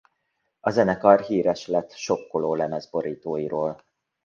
A zenekar híres lett sokkoló lemezborítóiról.